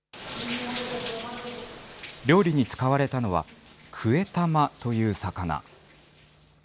料理に使われたのは、クエタマという魚。